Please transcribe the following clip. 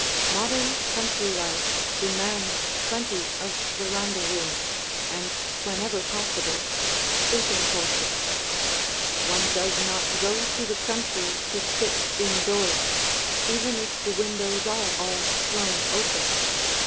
Modern country life demands plenty of veranda room and, whenever possible, sleeping porches. One does not go to the country to sit indoors, even if the windows are all thrown open.